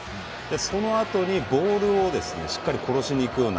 そのあとにボールをしっかり殺しにいくような。